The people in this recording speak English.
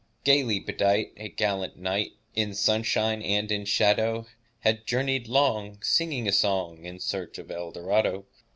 Gaily bedight, A gallant knight, In sunshine and in shadow, Had journeyed long, Singing a song, In search of Eldorado.